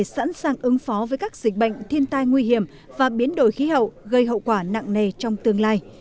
sẵn sàng ứng phó với các dịch bệnh thiên tai nguy hiểm và biến đổi khí hậu gây hậu quả nặng nề trong tương lai